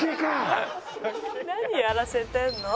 「何やらせてんの？」